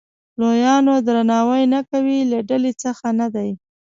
لویانو درناوی نه کوي له ډلې څخه نه دی.